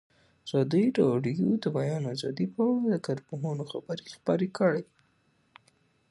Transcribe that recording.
ازادي راډیو د د بیان آزادي په اړه د کارپوهانو خبرې خپرې کړي.